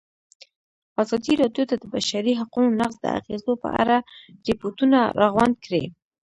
ازادي راډیو د د بشري حقونو نقض د اغېزو په اړه ریپوټونه راغونډ کړي.